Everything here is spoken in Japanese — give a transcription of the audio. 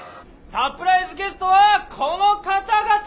サプライズゲストはこの方々！